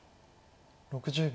６０秒。